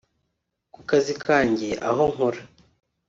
ku kazi kanjye aho nkora